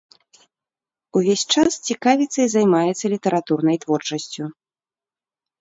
Увесь час цікавіцца і займаецца літаратурнай творчасцю.